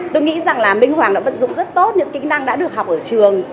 tôi nghĩ rằng là minh hoàng đã vận dụng rất tốt những kỹ năng đã được học ở trường